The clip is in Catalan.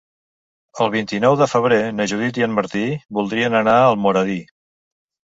El vint-i-nou de febrer na Judit i en Martí voldrien anar a Almoradí.